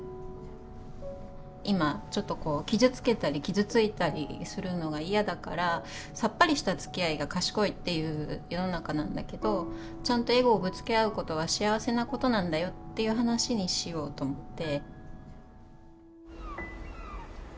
今ちょっとこう傷つけたり傷ついたりするのが嫌だからさっぱりしたつきあいが賢いっていう世の中なんだけどちゃんとエゴをぶつけ合うことは幸せなことなんだよっていう話にしようと思って。